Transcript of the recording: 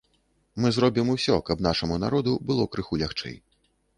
Мы зробім усё, каб нашаму народу было крыху лягчэй.